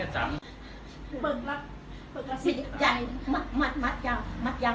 สวัสดีทุกคน